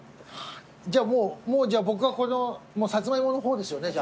じゃあもうもうじゃあ僕はこのサツマイモの方ですよねじゃあ。